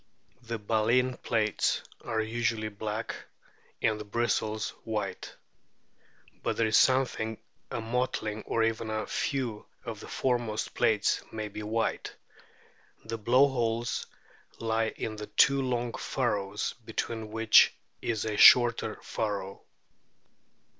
The baleen plates are usually black and the bristles white. But there is sometimes a mottlino or even a o ' few of the foremost plates may be white. The blow holes lie in two long furrows, between which is a shorter furrow.